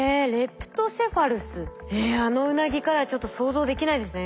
えあのウナギからはちょっと想像できないですね